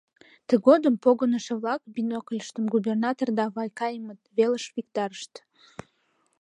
Тыгодым погынышо-влак бинокльыштым губернатор да Вайкаимыт велыш виктарышт.